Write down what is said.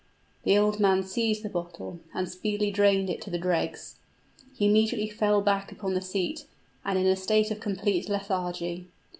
The old man seized the bottle, and speedily drained it to the dregs. He immediately fell back upon the seat, in a state of complete lethargy.